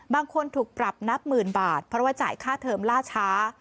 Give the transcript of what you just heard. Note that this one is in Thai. บางคนถูกปรับนับหมื่นบาทเพราะว่าจ่ายค่าเทิมล่าช้า